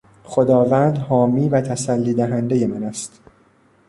خداوند حامی و تسلی دهندهی من است.